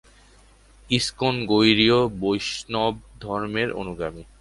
ISKCON গৌড়ীয় বৈষ্ণবধর্মের অনুগামী।